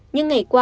nhưng ngày qua